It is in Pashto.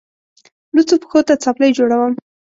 لوڅو پښو ته څپلۍ جوړوم.